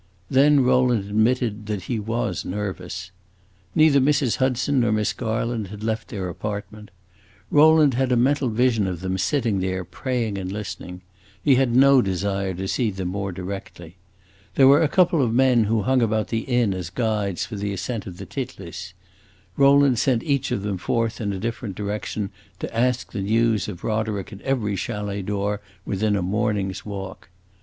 Then Rowland admitted that he was nervous. Neither Mrs. Hudson nor Miss Garland had left their apartment; Rowland had a mental vision of them sitting there praying and listening; he had no desire to see them more directly. There were a couple of men who hung about the inn as guides for the ascent of the Titlis; Rowland sent each of them forth in a different direction, to ask the news of Roderick at every chalet door within a morning's walk.